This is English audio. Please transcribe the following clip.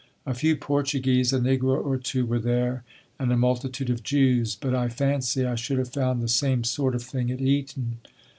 A few Portuguese, a negro or two were there, and a multitude of Jews. But I fancy I should have found the same sort of thing at Eton.